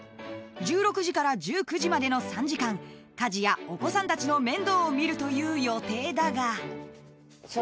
［１６時から１９時までの３時間家事やお子さんたちの面倒を見るという予定だが］